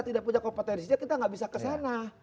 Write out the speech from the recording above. tidak punya kompetensi kita enggak bisa kesana